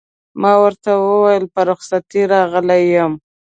ما ورته وویل: په رخصتۍ راغلی یم.